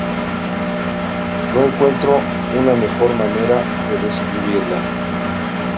No encuentro una mejor manera de describirla.